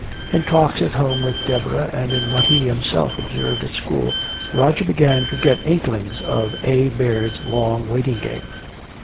In talks at home with Deborah, and in what he himself observed at school, Roger began to get inklings of "A. Baird's long waiting game."